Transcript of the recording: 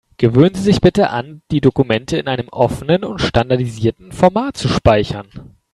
Gewöhnen Sie sich bitte an, die Dokumente in einem offenen und standardisierten Format zu speichern.